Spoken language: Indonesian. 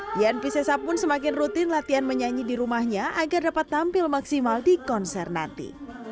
dian piscesa pun semakin rutin latihan menyanyi di rumahnya agar dapat tampil maksimal di konser nanti